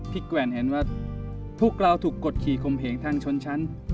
พี่กว่านเห็นว่าทุกเราถูกกดขี่คมเพลงทางชนชั้น